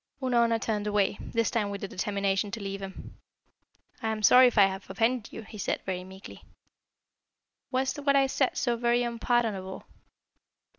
Unorna turned away, this time with the determination to leave him. "I am sorry if I have offended you," he said, very meekly. "Was what I said so very unpardonable?"